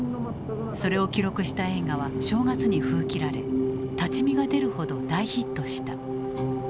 それを記録した映画は正月に封切られ立ち見が出るほど大ヒットした。